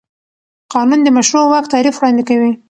قانون د مشروع واک تعریف وړاندې کوي.